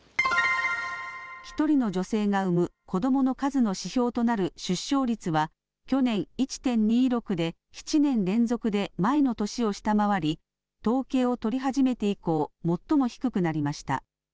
１人の女性が産む子どもの数の指標となる出生率は去年、１．２６で、７年連続で前の年を下回り、統計を取り始めて以降、最も低くなりました。